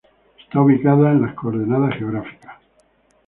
Está ubicada en las coordenadas geográficas